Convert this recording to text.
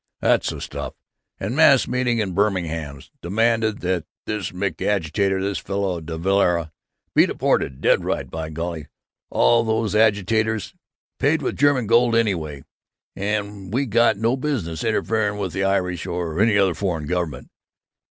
That's the stuff! And a mass meeting in Birmingham's demanded that this Mick agitator, this fellow De Valera, be deported. Dead right, by golly! All these agitators paid with German gold anyway. And we got no business interfering with the Irish or any other foreign government.